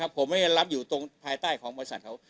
ผมไม่ได้รับอยู่ตรงภายใต้ของบริษัทเขา